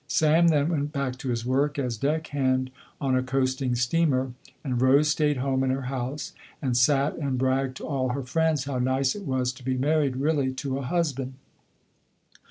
Sam then went back to his work as deck hand on a coasting steamer, and Rose stayed home in her house and sat and bragged to all her friends how nice it was to be married really to a husband.